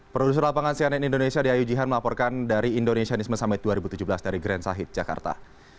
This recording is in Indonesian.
produser lapangan cnn indonesia diayu jihan melaporkan dari indonesianisme summit dua ribu tujuh belas dari grand sahit jakarta